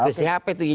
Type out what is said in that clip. itu siapa itu ya